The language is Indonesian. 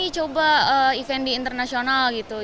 kebetulan kemarin alhamdulillah dapet jadinya ya udah latih